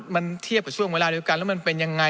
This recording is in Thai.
มันเทียบกับช่วงเวลาเดียวกันแล้วมันเป็นยังไง